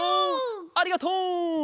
ありがとう！